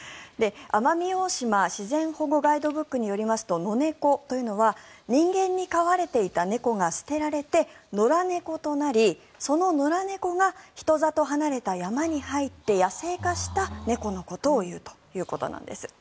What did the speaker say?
奄美大島自然保護ガイドブックによりますとノネコというのは人間に飼われていた猫が捨てられて野良猫となりその野良猫が人里離れた山に入って野生化した猫のことを言うということなんです。